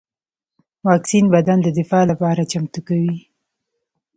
واکسین بدن د دفاع لپاره چمتو کوي